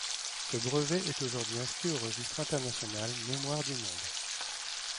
Ce brevet est aujourd’hui inscrit au registre international Mémoire du monde.